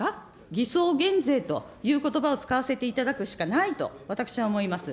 偽装減税ということばを使わせていただくしかないと私は思います。